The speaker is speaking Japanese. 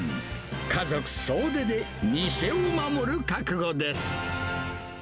家族総出で店を守る覚悟です。